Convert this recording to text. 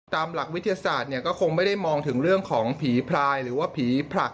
ตามหลักวิทยาศาสตร์เนี่ยก็คงไม่ได้มองถึงเรื่องของผีพลายหรือว่าผีผลัก